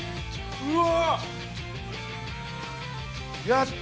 うわ。